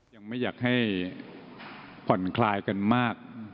ยังไม่อยากให้ผ่อนคลายกันมาก